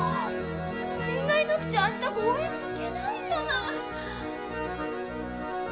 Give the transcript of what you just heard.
かりんがいなくちゃあした公園に行けないじゃない。